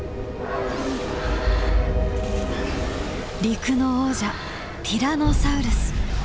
陸の王者ティラノサウルス。